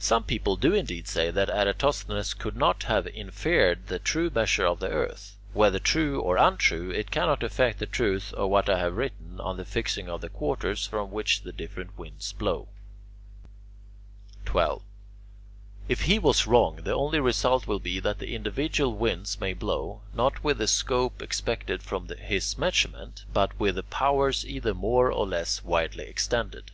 Some people do indeed say that Eratosthenes could not have inferred the true measure of the earth. Whether true or untrue, it cannot affect the truth of what I have written on the fixing of the quarters from which the different winds blow. [Illustration: DIAGRAM OF THE WINDS (From the edition of Vitruvius by Fra Giocondo, Venice, 1511)] 12. If he was wrong, the only result will be that the individual winds may blow, not with the scope expected from his measurement, but with powers either more or less widely extended.